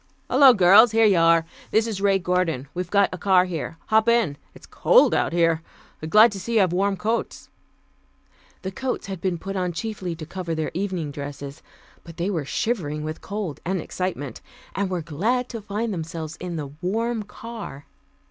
"Hello, girls, here you are. This is Ray Gordon. We've got a car here. Hop in, it's cold out here. Glad to see you have warm coats." The coats had been put on chiefly to cover their evening dresses, but they were shivering with cold and excitement, and were glad to find themselves in the warm car.